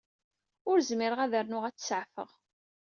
Ur zmireɣ ad rnuɣ ad tt-saɛfeɣ.